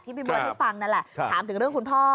พี่เบิร์ดให้ฟังนั่นแหละถามถึงเรื่องคุณพ่อ